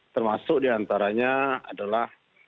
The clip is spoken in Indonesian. termasuk diantaranya adalah